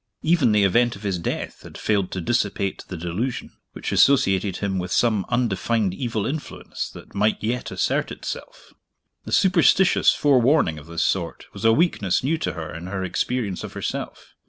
Even the event of his death had failed to dissipate the delusion, which associated him with some undefined evil influence that might yet assert itself. A superstitious forewarning of this sort was a weakness new to her in her experience of herself.